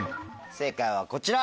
正解はこちら。